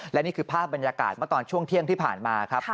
และนี่คือภาพบรรยากาศเมื่อตอนช่วงเที่ยงที่ผ่านมาครับ